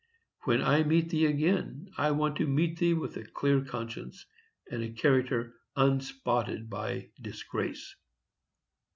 When I meet thee again I want to meet thee with a clear conscience, and a character unspotted by disgrace.